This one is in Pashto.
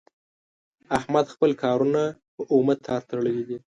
احمد خپل کارونه په اومه تار تړلي دي.